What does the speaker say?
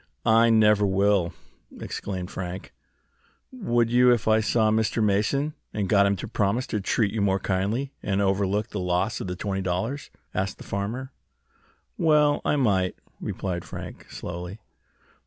"I never will!" exclaimed Frank. "Would you if I saw Mr. Mason and got him to promise to treat you more kindly, and overlook the loss of the twenty dollars?" asked the farmer. "Well, I might," replied Frank, slowly.